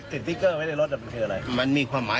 ติดสติกเกอร์ไว้ในรถมันคืออะไร